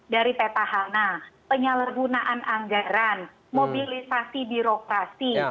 dari peta hana penyalahgunaan anggaran mobilisasi birokrasi